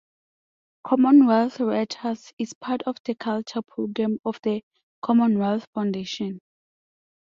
Commonwealth Writers is part of the Culture programme of the Commonwealth Foundation.